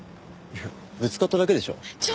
ぶつかっただけでしょ。